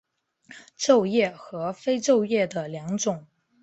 皱叶和非皱叶的两种。